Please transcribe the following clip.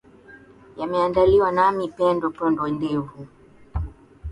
yameandaliwa nami pendo pondo ndovi